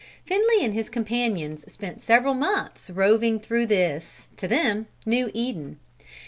Finley and his companions spent several months roving through this, to them, new Eden.